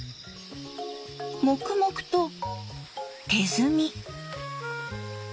黙々と手摘み。